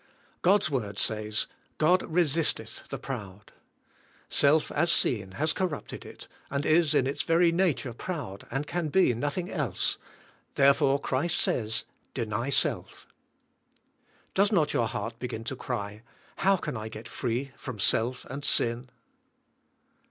God's word says, God resistetli the proud. Self as seen has corrupted it, and is in its very nature proud and can be nothing else, therefore Christ says, deny self. Does not your heart beg in to cry, *' How can I g et free from self and sin?"